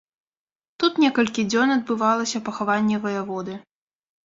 Тут некалькі дзён адбывалася пахаванне ваяводы.